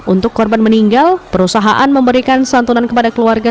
untuk korban meninggal perusahaan memberikan santunan kepada keluarga